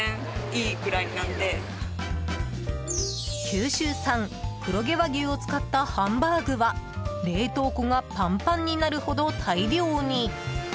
九州産黒毛和牛を使ったハンバーグは冷凍庫がパンパンになるほど大量に。